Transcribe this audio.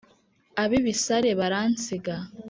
Ab'ibisare baransiga